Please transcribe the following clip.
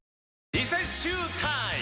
リセッシュータイム！